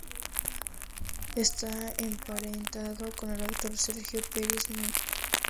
Está emparentado con el actor Sergio Peris-Mencheta.